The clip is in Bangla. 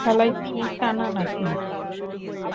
শালায় কি কানা নাকি?